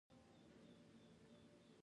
ښکلې رويه د انسان وجدان راويښوي.